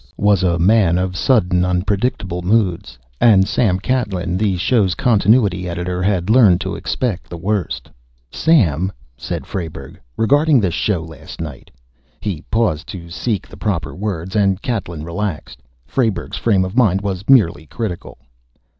_, was a man of sudden unpredictable moods; and Sam Catlin, the show's Continuity Editor, had learned to expect the worst. "Sam," said Frayberg, "regarding the show last night...." He paused to seek the proper words, and Catlin relaxed. Frayberg's frame of mind was merely critical.